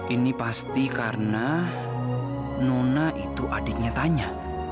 ini pasti karena nona itu adiknya tanya